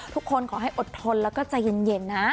ขอให้อดทนแล้วก็ใจเย็นนะ